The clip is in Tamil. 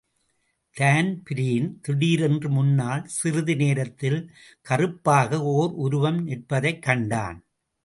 தான்பிரீன் திடீரென்று முன்னால் சிறிதுதுரத்தில் கறுப்பாக ஓர் ஒருவம் நிற்பதைக் கண்டான்.